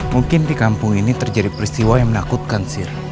mungkin di kampung ini terjadi peristiwa yang menakutkan sir